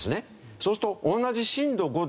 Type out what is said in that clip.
そうすると同じ震度５でもあれ？